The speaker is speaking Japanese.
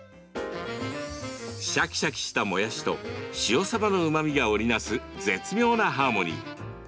シャキシャキしたもやしと塩さばのうまみが織り成す絶妙なハーモニー。